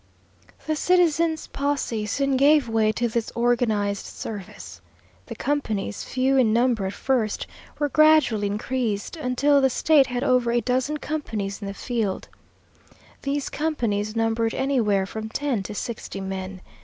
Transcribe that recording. The citizens' posse soon gave way to this organized service. The companies, few in number at first, were gradually increased until the State had over a dozen companies in the field. These companies numbered anywhere from ten to sixty men.